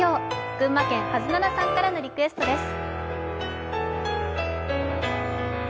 群馬県・はずななさんからのリクエストです。